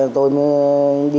vận chuyển đến hà nội